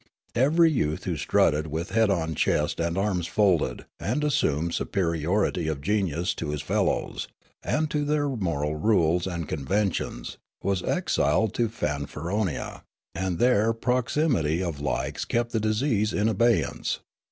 Every youth who strutted with head on chest and arms folded, and assumed superiority of genius to his fellows, and to their moral rules and conventions, was exiled to Fanfaronia ; and there proximity of likes kept the disease in abeyance.